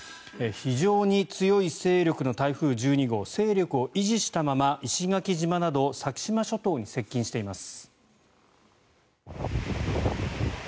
非常に強い勢力の台風１２号勢力を維持したまま石垣島など先島諸島に接近しています。